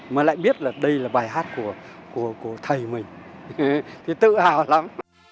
mà lại biết là đây là bài hát của của của thầy mình thì tự hào lắm